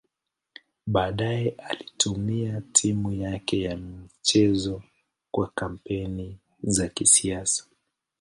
Baadaye alitumia timu yake ya michezo kwa kampeni za kisiasa.